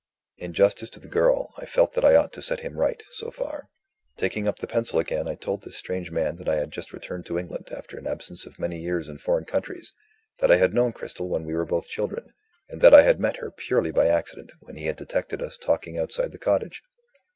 In justice to the girl, I felt that I ought to set him right, so far. Taking up the pencil again, I told this strange man that I had just returned to England, after an absence of many years in foreign countries that I had known Cristel when we were both children and that I had met her purely by accident, when he had detected us talking outside the cottage.